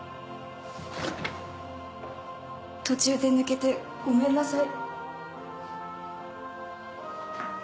途中で抜けてごめんなさい。